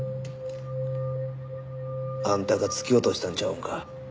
あんたが突き落としたんちゃうんか？